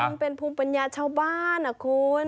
มันเป็นภูมิปัญญาชาวบ้านอ่ะคุณ